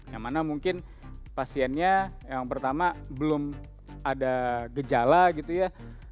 yang mana mungkin pasiennya yang pertama belum ada gejala gitu ya